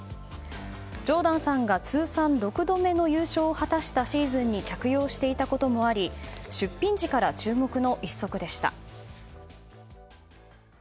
ジョーダンさんが通算６度目の優勝を果たしたシーズンに着用していたこともあり出品時から注目の１足でした。